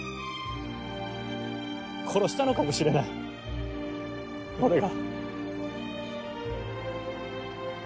殺したのかもしれない俺が。